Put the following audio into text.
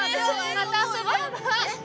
また遊ぼ。